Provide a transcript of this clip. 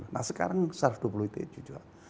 delapan puluh lima nah sekarang satu ratus dua puluh itu juga